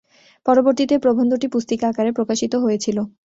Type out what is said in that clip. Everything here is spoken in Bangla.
পরবর্তীতে এ প্রবন্ধটি পুস্তিকা আকারে প্রকাশিত হয়েছিল।